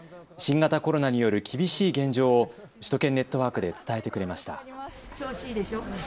新型コロナによる厳しい現状を首都圏ネットワークで伝えてくれました。